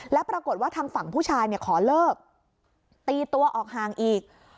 แล้วปรากฏว่าทางฝั่งผู้ชายขอเลิกตีตัวออกห่างอีก